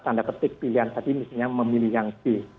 tanda petik pilihan tadi misalnya memilih yang c